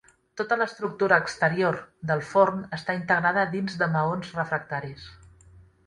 Tota l'estructura exterior del forn està integrada dins de maons refractaris.